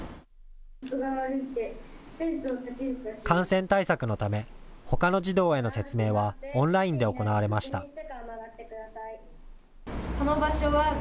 感染対策のためほかの児童への説明はオンラインで行われました。